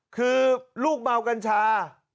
คือลูกเมากัญชา